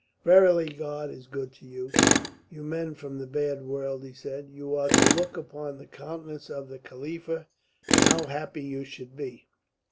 "Verily God is good to you, you men from the bad world," he said. "You are to look upon the countenance of the Khalifa. How happy you should be!"